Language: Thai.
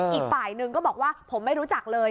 อีกฝ่ายหนึ่งก็บอกว่าผมไม่รู้จักเลย